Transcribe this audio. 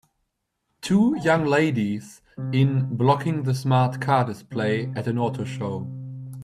Two young ladies in blocking the smart car display at an auto show